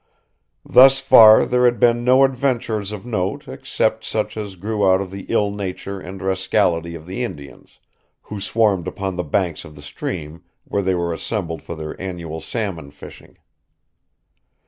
Thus far there had been no adventures of note, except such as grew out of the ill nature and rascality of the Indians, who swarmed upon the banks of the stream, where they were assembled for their annual salmon fishing.